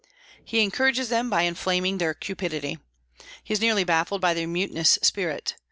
He encourages them by inflaming their cupidity. He is nearly baffled by their mutinous spirit.